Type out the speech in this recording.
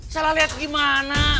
salah lihat gimana